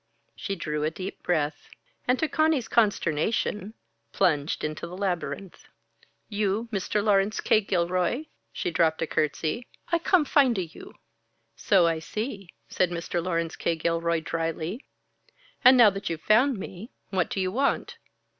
She drew a deep breath, and to Conny's consternation, plunged into the labyrinth. "You Mr. Laurence K. Gilroy?" she dropped a curtsy. "I come find a you." "So I see," said Mr. Laurence K. Gilroy, dryly. "And now that you've found me, what do you want?"